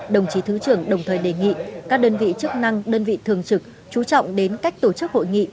đồng chí thứ trưởng đồng thời đề nghị các đơn vị chức năng đơn vị thường trực chú trọng đến cách tổ chức hội nghị